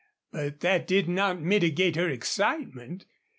But that did not mitigate her excitement.